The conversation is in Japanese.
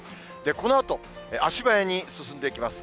このあと、足早に進んでいきます。